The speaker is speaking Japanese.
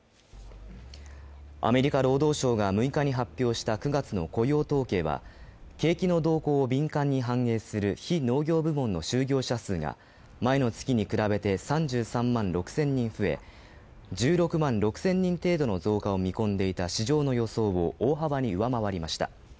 アメリカ労働省が６日に発表した９月の雇用統計は景気の動向を敏感に反映する非農業部門の就業者数が前の月に比べて３３万６０００人増え１６万６０００人程度の増加を見込んでいた市場の予想を大幅に上回りました。